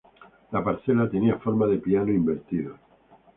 La parcela tenía forma de piano invertido.